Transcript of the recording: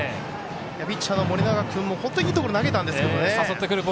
ピッチャーの盛永君も本当にいいところ投げたんですけどね。